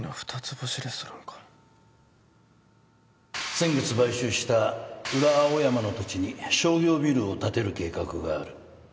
先月買収した裏青山の土地に商業ビルを建てる計画がある